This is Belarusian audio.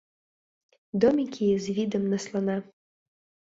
Домікі з відам на слана.